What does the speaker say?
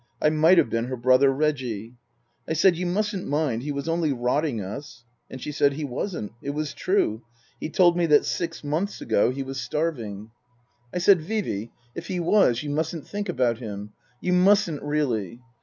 I might have been her brother Reggie. I said, " You mustn't mind. He was only rotting us." And she said : "He wasn't. It was true. He told me that six months ago he was starving." Book I : My Book 53 I said, " Vee Vee, if he was, you mustn't think about him. You mustn't, really."